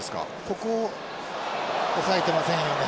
ここ押さえてませんよね。